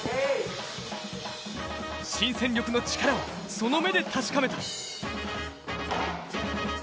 新戦力の力を、その目で確かめた。